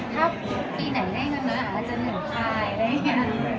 ถ้าปีไหนแรงกันนึงอาจจะ๑คลายได้ไง